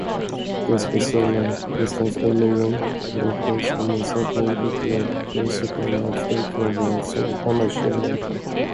Den speciella instansordningen och rättens sammansättning utgör principiella avsteg från vad som annars gäller.